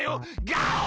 ガオ！